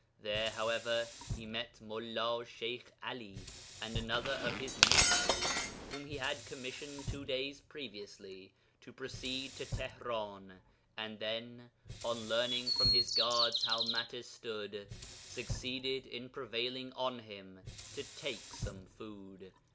There, however, he met Mullā Sheykh Ali... and another of his missionaries, whom he had commissioned two days previously to proceed to Tihran; and then, on learning from his guards how matters stood, succeeded in prevailing on him to take some food.'